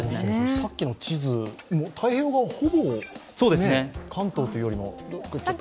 さっきの地図、太平洋側はほぼ関東というよりも。